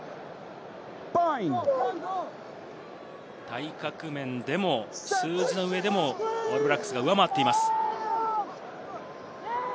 体格面でも数字の上でも、オールブラックスが上回っています。